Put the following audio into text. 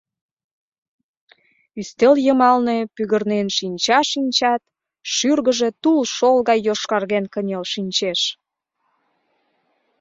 Ӱстел йымалне пӱгырнен шинча-шинчат, шӱргыжӧ тулшол гай йошкарген кынел шинчеш.